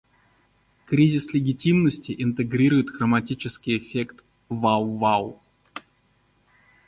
Кризис легитимности интегрирует хроматический эффект "вау-вау".